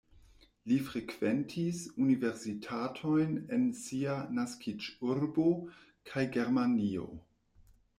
Li frekventis universitatojn en sia naskiĝurbo kaj Germanio.